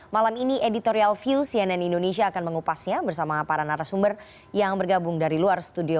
malam ini editorial view cnn indonesia akan mengupasnya bersama para narasumber yang bergabung dari luar studio